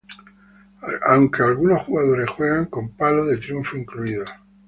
Aunque algunos jugadores juegan con palo de triunfo incluido.